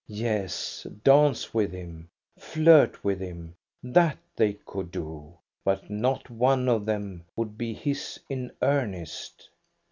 Yes, dance with him, flirt with him, that they could do, but not one of them would be his in earnest.